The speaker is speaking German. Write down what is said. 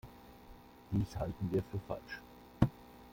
Dies halten wir für falsch.